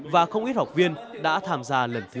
và không ít học viên đã tham gia lần thứ hai